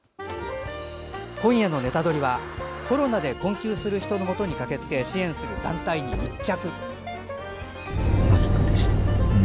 今夜の「ネタドリ！」はコロナで困窮する人のもとに駆けつけ、支援する団体に密着。